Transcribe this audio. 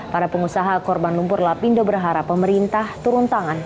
para pengusaha korban lumpur lapindo berharap pemerintah turun tangan